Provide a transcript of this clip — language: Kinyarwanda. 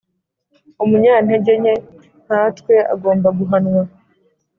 Umunyantegenke nkatwe agomba guhanwa.